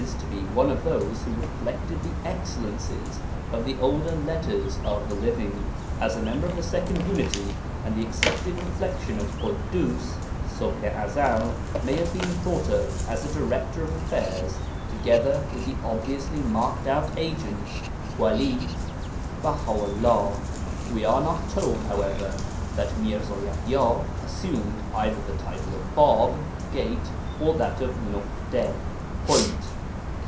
to be one of those who reflected the excellences of the older 'Letters of the Living.' As a member of the Second Unity and the accepted reflexion of Ḳuddus, Ṣubḥ i Ezel may have been thought of as a director of affairs together with the obviously marked out agent (wali), Baha 'ullah. We are not told, however, that Mirza Yaḥya assumed either the title of Bāb (Gate) or that of Nuḳṭa (Point).